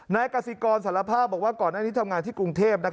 กสิกรสารภาพบอกว่าก่อนหน้านี้ทำงานที่กรุงเทพ